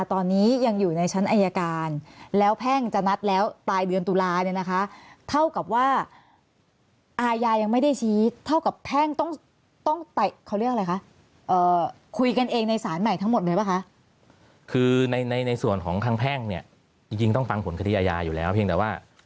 ฟังผลคดีอาญาอยู่แล้วเพียงแต่ว่า